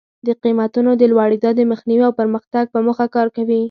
د قیمتونو د لوړېدا د مخنیوي او پرمختګ په موخه کار کوي.